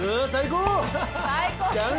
最高！